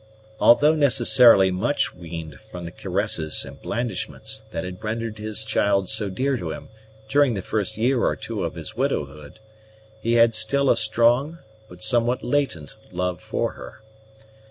Although necessarily much weaned from the caresses and blandishments that had rendered his child so dear to him during the first year or two of his widowerhood, he had still a strong but somewhat latent love for her.